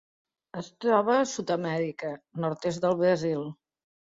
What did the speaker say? Es troba a Sud-amèrica: nord-est del Brasil.